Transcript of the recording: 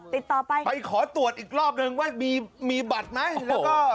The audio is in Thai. ติดต่อไปไปขอตรวจอีกรอบนึงว่ามีมีบัตรไหมแล้วก็